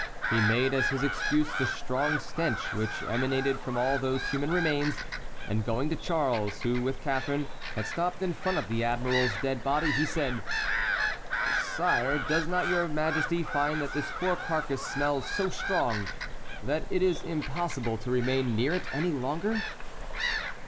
He made as his excuse the strong stench which emanated from all those human remains, and going to Charles, who, with Catharine, had stopped in front of the admiral's dead body, he said: "Sire, does not your Majesty find that this poor carcass smells so strong that it is impossible to remain near it any longer?"